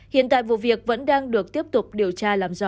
hiện tại vụ việc vẫn đang được tiếp tục điều tra làm rõ